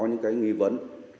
những cái nghi vấn